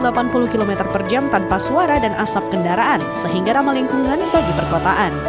mobil ini bisa melaju hingga delapan puluh km per jam tanpa suara dan asap kendaraan sehingga ramah lingkungan bagi perkotaan